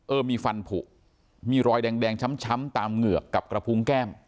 เออมีฟันผูกมีรอยแดงช้ำตามเหงือกกับกระพุงแก้ม